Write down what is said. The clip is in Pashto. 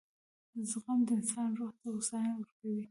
• زغم د انسان روح ته هوساینه ورکوي.